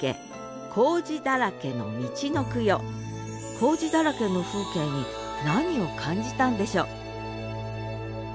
工事だらけの風景に何を感じたんでしょう？